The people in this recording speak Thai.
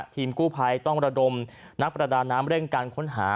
ทีมกู้ภัยต้องระดมนักประดาน้ำเร่งการค้นหา